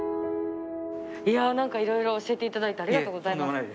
いやあ何かいろいろ教えていただいてありがとうございます。